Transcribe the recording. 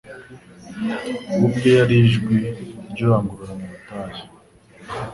We ubwe yari ijwi ry'urangururira mu butayu.